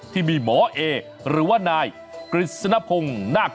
ที่มีหมอเอหรือว่านายกฤษณพงศ์นาค